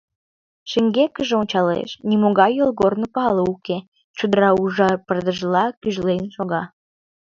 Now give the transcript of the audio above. Шеҥгекыже ончалеш — нимогай йолгорно пале уке, чодыра ужар пырдыжла гӱжлен шога.